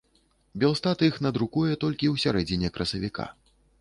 Белстат іх надрукуе толькі ў сярэдзіне красавіка.